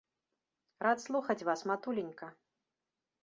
Рад слухаць вас, матуленька.